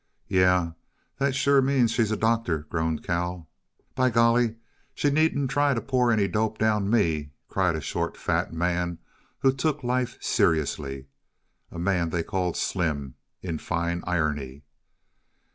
"Yeah that sure means she's a doctor," groaned Cal. "By golly, she needn't try t' pour any dope down ME," cried a short, fat man who took life seriously a man they called Slim, in fine irony.